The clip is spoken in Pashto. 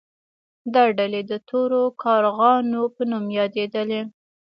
دا ډلې د تورو کارغانو په نوم یادیدلې.